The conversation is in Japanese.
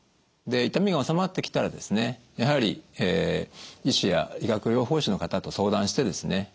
痛みが治まってきたらですねやはり医師や理学療法士の方と相談してですね